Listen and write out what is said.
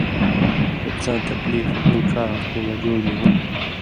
کہ څاں تکلیف دُو ڇا ہفتیُوں مہ جُوڑ نی ہُوند